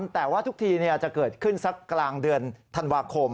แต่ว่าทุกทีจะเกิดขึ้นสักกลางเดือนธันวาคม